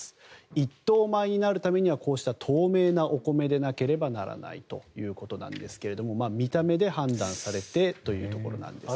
一等米になるためにはこうした透明なお米でなければならないということですが見た目で判断されてというところなんですね。